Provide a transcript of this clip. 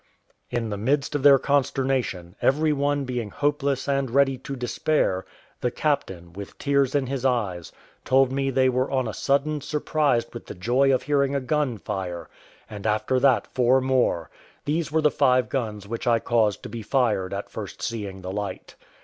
In the midst of their consternation, every one being hopeless and ready to despair, the captain, with tears in his eyes, told me they were on a sudden surprised with the joy of hearing a gun fire, and after that four more: these were the five guns which I caused to be fired at first seeing the light.